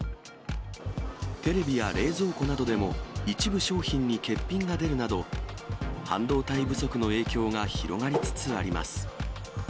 テレビや冷蔵庫などでも一部商品に欠品が出るなど、半導体不足の影響が広がりつつあります。